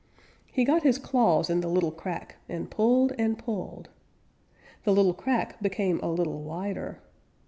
He got his claws in the little crack and pulled and pulled. The little crack became a little wider.